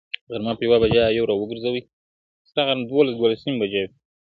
کورنۍ يو بل ته نومونه غلط يادوي او فکري ګډوډي زياتيږي